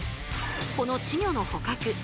この稚魚の捕獲